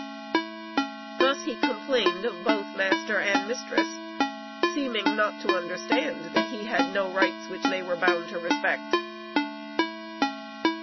Thus he complained of both master and mistress, seeming not to understand that he "had no rights which they were bound to respect."